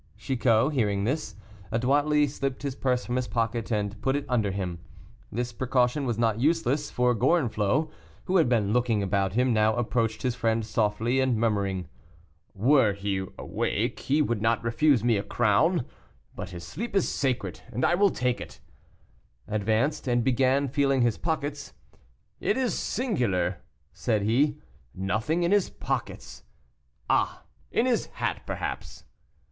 Chicot, hearing this, adroitly slipped his purse from his pocket and put it under him. This precaution was not useless, for Gorenflot, who had been looking about him, now approached his friend softly, and murmuring: "Were he awake, he would not refuse me a crown, but his sleep is sacred, and I will take it," advanced, and began feeling his pockets. "It is singular," said he, "nothing in his pockets. Ah! in his hat, perhaps."